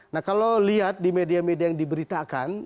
nah kalau lihat di media media yang diberitakan